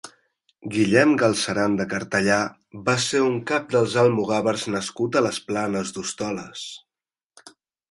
Guillem Galceran de Cartellà va ser un cap dels almogàvers nascut a les Planes d'Hostoles.